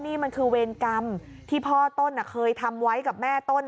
นี่มันคือเวรกรรมที่พ่อต้นเคยทำไว้กับแม่ต้น